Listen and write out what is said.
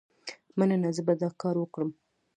مننه، زه به دا کار وکړم.